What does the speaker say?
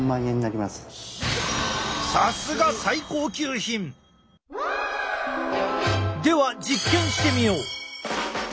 さすが最高級品！では実験してみよう！